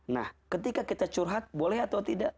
nah ketika kita curhat boleh atau tidak